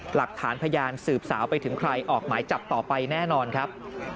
หลักฐานพยานสืบสาวไปถึงใครออกหมายจับต่อไปแน่นอนครับ